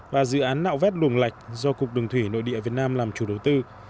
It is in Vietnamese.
và dự án nạo vét luồng lạch do cục đường thủy nội địa việt nam làm chủ đầu tư